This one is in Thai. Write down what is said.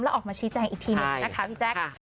แล้วออกมาชี้แจงอีกทีหนึ่งนะคะพี่แจ๊ค